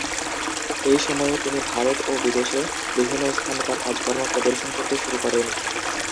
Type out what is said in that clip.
এই সময়ে, তিনি ভারত ও বিদেশে বিভিন্ন স্থানে তার কাজকর্ম প্রদর্শন করতে শুরু করেন।